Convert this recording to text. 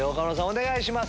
お願いします。